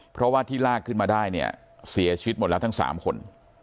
เพราะว่าที่ลากขึ้นมาได้เนี่ยเสียชีวิตหมดแล้วทั้ง๓คน